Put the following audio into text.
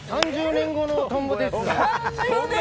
３０年後のトンボ？